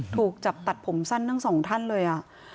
ถูกจับตัดผมสั้นทั้งสองท่านเลย